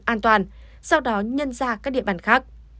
an toàn sau đó nhân ra các địa bàn khác